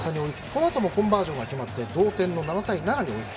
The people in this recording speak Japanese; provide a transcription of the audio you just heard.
このあともコンバージョンは決まって、同点の７対７に。